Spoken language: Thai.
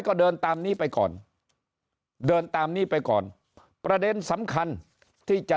ก็เดินตามนี้ไปก่อนเดินตามนี้ไปก่อนประเด็นสำคัญที่จะ